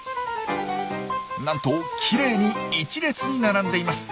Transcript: なんときれいに１列に並んでいます。